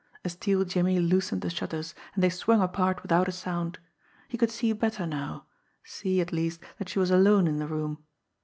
A steel jimmy loosened the shutters, and they swung apart with out a sound. He could see better now see, at least, that she was alone in the room.